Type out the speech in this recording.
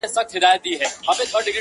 • نن لکړي نڅومه میخانې چي هېر مي نه کې -